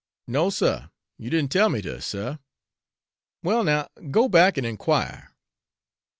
"No, suh, you didn't tell me ter, suh." "Well, now, go back and inquire.